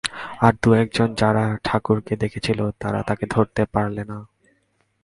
আর দু-একজন যারা ঠাকুরকে দেখেছিল, তারা তাঁকে ধরতে পারলে না।